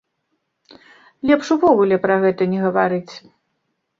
Лепш увогуле пра гэта не гаварыць.